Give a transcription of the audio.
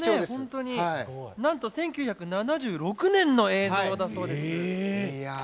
なんと１９７６年の映像だそうです。